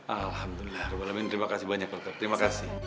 alhamdulillah terima kasih banyak dokter terima kasih